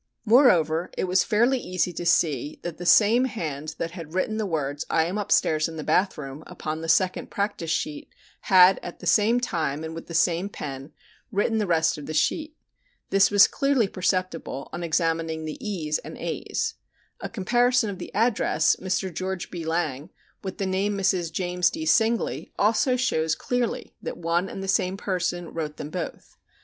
Moreover, it was fairly easy to see that the same hand that had written the words "I am upstairs in the bath room" upon the second practice sheet had at the same time and with the same pen written the rest of the sheet. This was clearly perceptible on examining the "e's" and "a's." A comparison of the address "Mr. Geo. B. Lang" (on Fig. 1) with the name Mrs. James D. Singley (on Fig. 4) also shows clearly that one and the same person wrote them both.